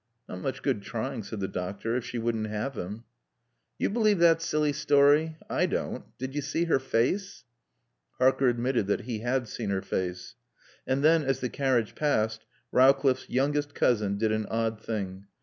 "Not much good trying," said the doctor, "if she wouldn't have him." "You believe that silly story? I don't. Did you see her face?" Harker admitted that he had seen her face. And then, as the carriage passed, Rowcliffe's youngest cousin did an odd thing.